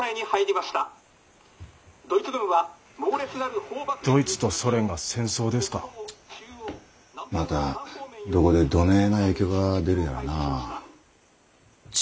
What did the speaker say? またどこでどねえな影響が出るやらなあ。